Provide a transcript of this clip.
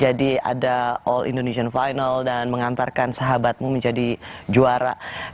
jadi ada all indonesian final dan mengantarkan sahabatmu menjadi juara